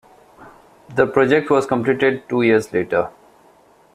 The project was completed two years later.